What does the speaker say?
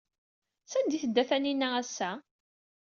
Sanda ay tedda Taninna ass-a?